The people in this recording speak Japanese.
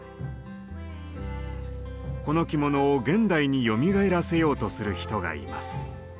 この着物を現代によみがえらせようとする人がいます。